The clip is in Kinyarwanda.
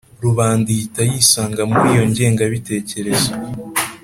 rubanda ihita yisanga muri iyo ngengabitekerezo.